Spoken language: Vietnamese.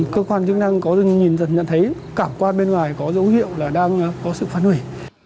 cơ quan chức năng có nhìn nhận thấy cả quán bên ngoài có dấu hiệu là đang có sự phản hủy